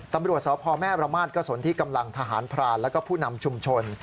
ตำรวจสพแม่ประมาทก็สนที่กำลังทหารพรานแล้วก็ผู้นำชุมชน